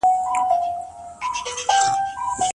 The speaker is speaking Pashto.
مذهبي ازادي په اسلام کي سته.